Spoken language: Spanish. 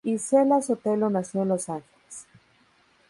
Isela Sotelo nació en Los Ángeles.